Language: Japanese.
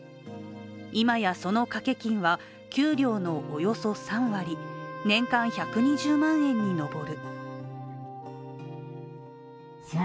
今や、その掛け金は給料のおよそ３割、年間１２０万円に上る。